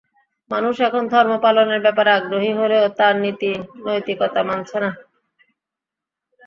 মানুষ এখন ধর্ম পালনের ব্যাপারে আগ্রহী হলেও তার নীতি-নৈতিকতা মানছে না।